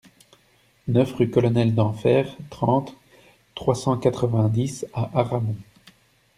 neuf rue Colonel Denfert, trente, trois cent quatre-vingt-dix à Aramon